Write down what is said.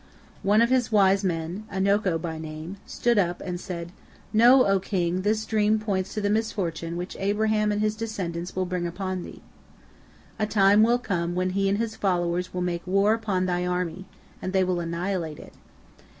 One of his wise men, Anoko by name, stood up, and said: "Know, O king, this dream points to the misfortune which Abraham and his descendants will bring upon thee. A time will come when he and his followers will make war upon thy army, and they will annihilate it.